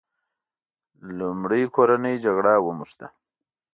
لومړی کورنۍ جګړه ونښته.